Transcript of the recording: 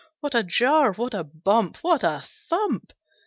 What a jar! what a bump! what a thump!